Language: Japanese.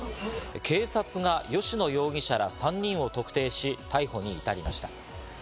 警察が吉野容疑者ら３人を特定し、逮捕に至りました。